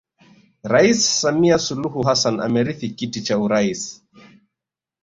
Rais Samia Suluhu Hassan amerithi kiti cha urais